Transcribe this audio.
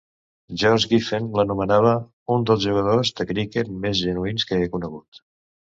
George Giffen l'anomenava "un dels jugadors de criquet més genuïns que he conegut".